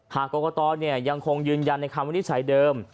หากกรกตยังคงยืนยันในคำวินิจฉัยเดิม